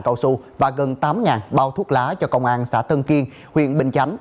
đầu số và gần tám bao thuốc lá cho công an xã tân kiên huyện bình chánh